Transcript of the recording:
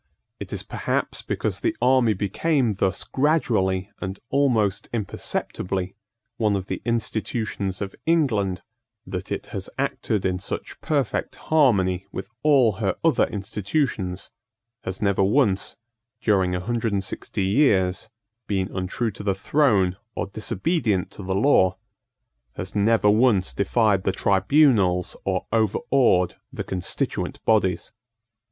It is perhaps because the army became thus gradually, and almost imperceptibly, one of the institutions of England, that it has acted in such perfect harmony with all her other institutions, has never once, during a hundred and sixty years, been untrue to the throne or disobedient to the law, has never once defied the tribunals or overawed the constituent bodies.